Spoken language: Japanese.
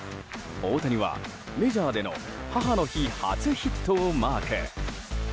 大谷はメジャーでの母の日初ヒットをマーク。